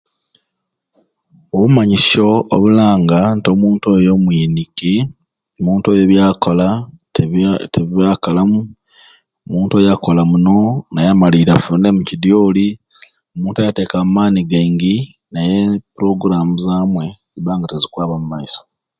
Obumanyisyo obulanga nti omuntu oyo mwiniki omuntu oyo byakola tebye tibyakalamu omuntu oyo okola muno naye amaliira afuniremu kidyoli omuntu oyo atekamu amaani gaingi naye e program zamwei ziba nga tezikwakaba mu maiso